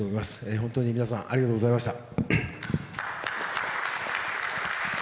本当に皆さんありがとうございました。